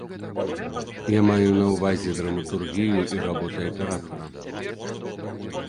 Я маю на ўвазе драматургію і работу аператара.